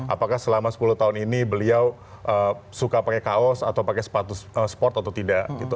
apakah selama sepuluh tahun ini beliau suka pakai kaos atau pakai sepatu sport atau tidak gitu